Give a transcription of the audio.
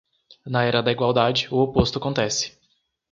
Na era da igualdade, o oposto acontece.